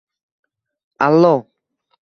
— Allo.